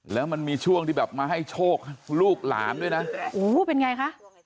แล้วมันมีช่วงที่แบบมาให้โชคลูกหลานด้วยนะโอ้โหเป็นไงคะ